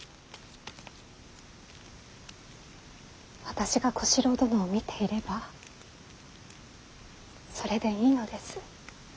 私が小四郎殿を見ていればそれでいいのです。